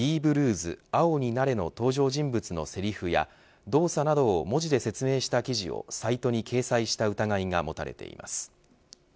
青になれの登場人物のせりふや動作などを文字で説明した記事をサイトに掲載した疑いが持たれています。